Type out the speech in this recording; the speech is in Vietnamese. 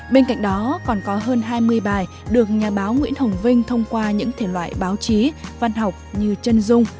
bên cạnh đó còn có hơn hai mươi bài được nhà báo nguyễn thổng vinh thông qua những thể loại báo chí văn học như chân dung